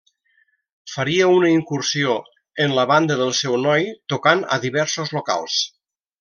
Faria una incursió en la banda del seu noi tocant a diversos locals.